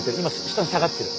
今下に下がってる。